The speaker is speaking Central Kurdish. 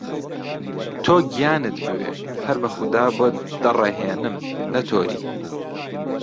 تۆ گیانت بوێ ههر به خودا بۆت دهڕههێنم، نهتۆری